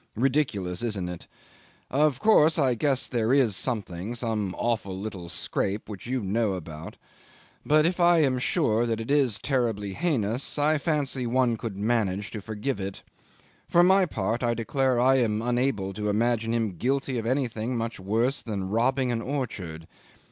Ridiculous, isn't it? Of course I guess there is something some awful little scrape which you know all about but if I am sure that it is terribly heinous, I fancy one could manage to forgive it. For my part, I declare I am unable to imagine him guilty of anything much worse than robbing an orchard.